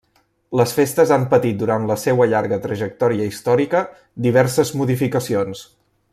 Les festes han patit durant la seua llarga trajectòria històrica diverses modificacions.